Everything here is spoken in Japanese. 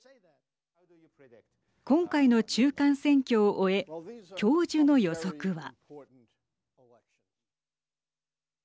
今回の中間選挙を終え教授の予測は。